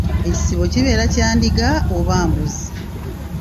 Ekisibo kibeera kya ndiga oba mbuzi?